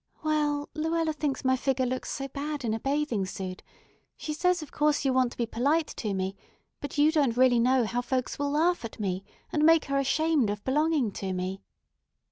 "Well, Luella thinks my figger looks so bad in a bathing suit. She says of course you want to be polite to me, but you don't really know how folks will laugh at me, and make her ashamed of belonging to me."